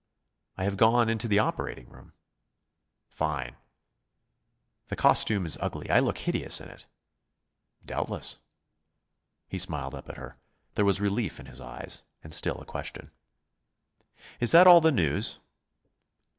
"I have gone into the operating room." "Fine!" "The costume is ugly. I look hideous in it." "Doubtless." He smiled up at her. There was relief in his eyes, and still a question. "Is that all the news?"